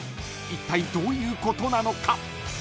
［いったいどういうことなのか？］